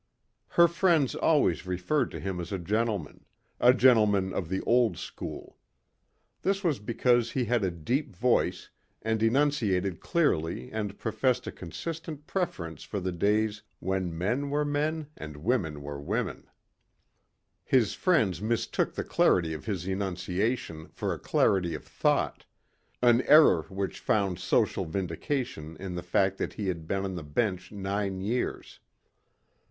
Her friends always referred to him as a gentleman a gentleman of the old school. This was because he had a deep voice and enunciated clearly and professed a consistent preference for the days when men were men and women were women. His friends mistook the clarity of his enunciation for a clarity of thought an error which found social vindication in the fact that he had been on the bench nine years.